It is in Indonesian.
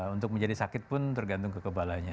untuk menjadi sakit pun tergantung kekebalannya